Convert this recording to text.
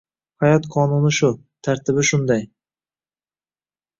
Hayot qonuni shu, tartibi shunday